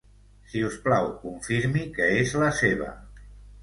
Si us plau confirmi que és la seva.